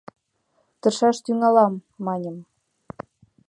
— Тыршаш тӱҥалам! — маньым.